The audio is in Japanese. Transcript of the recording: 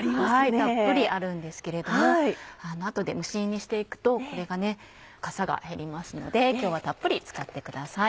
たっぷりあるんですけれどもあとで蒸し煮にして行くとこれがかさが減りますので今日はたっぷり使ってください。